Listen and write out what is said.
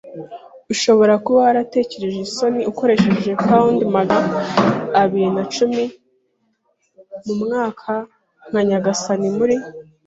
ushobora kuba waratekereje isoni, ukoresha pound magana abiri na cumi mumwaka, nka nyagasani muri